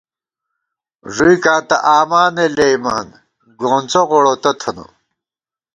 ݫُوئیکاں تہ آما نہ لېئیمان ، گونڅہ غوڑوتہ تھنہ